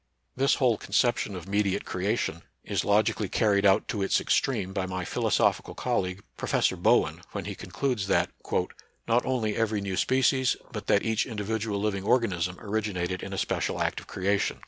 This whole conception of mediate creation is logically car ried out to its extreme by my philosophical col league. Professor Bowen, when he concludes that " not only every new species but that each individual living organism, originated in a special act of creation."